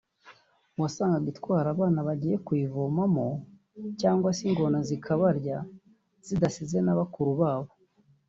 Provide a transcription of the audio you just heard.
wasangaga itwara abana bagiye kuyivomamo cyangwa se ingona zikabarya zidasize na bakuru babo